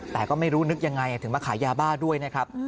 แต่ก็ไม่รู้นึกยังไงถึงมาขายยาบ้าด้วยนะครับ